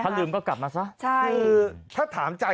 ถ้าลืมก็กลับมาซะ